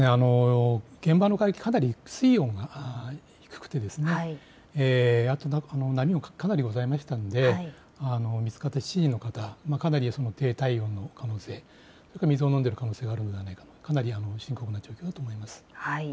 現場の海域、かなり水温が低くてあと波もかなりございましたので、見つかった７人の方、かなり低体温の可能性があり水を飲んでいる可能性もありかなり深刻な状況だと思います。